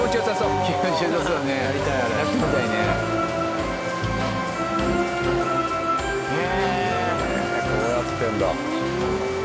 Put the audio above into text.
へえこうやってるんだ。